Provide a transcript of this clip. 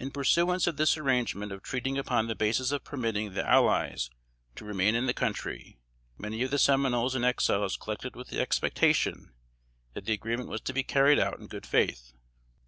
In pursuance of this arrangement of treating upon the basis of permitting the allies to remain in the country, many of the Seminoles and Exiles collected with the expectation that the agreement was to be carried out in good faith.